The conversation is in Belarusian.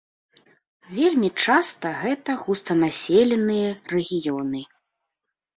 Вельмі часта гэта густанаселеныя рэгіёны.